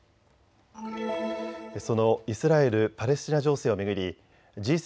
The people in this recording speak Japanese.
そのイスラエル・パレスチナ情勢を巡りＧ７